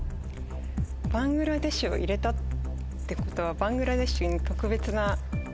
バングラデシュを入れたってことはバングラデシュに。